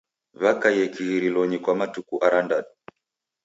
Wakaie kighirilonyi kwa matuku arandadu.